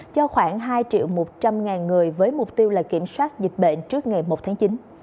cho khoảng hai triệu một trăm linh người với mục tiêu là kiểm soát dịch bệnh trước ngày một tháng chín